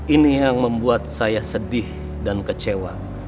ini yang membuat saya sedih dan kecewa